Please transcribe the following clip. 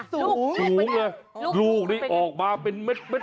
ต้นสี่ดูกตรงจะลูกนี่ออกมาเป็นเม็ด